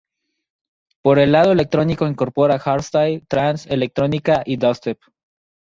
Por el lado electrónico incorpora hardstyle, trance, electrónica y dubstep.